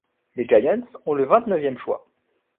Les Giants ont le vingt-neuvième choix.